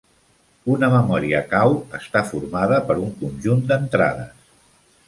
Una memòria cau està formada per un conjunt d'entrades.